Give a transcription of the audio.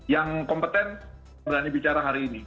yang kompeten berani bicara hari ini